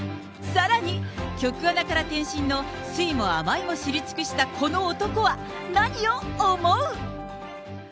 さらに局アナから転身の酸いも甘いも知り尽くしたこの男は何を思う？